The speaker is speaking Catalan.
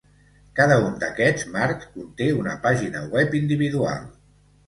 Cada un d'aquests marcs conté una pàgina web individual.